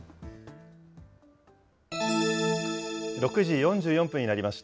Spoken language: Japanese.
６時４４分になりました。